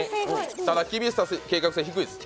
ただ厳しさ計画性は低いです